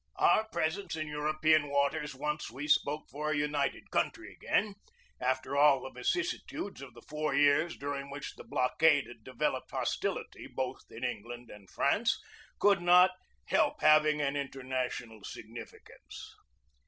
Our presence in European waters once we spoke for a united country again after all the vicissitudes of the four years during which the blockade had devel oped hostility both in England and France could not help having an international significance.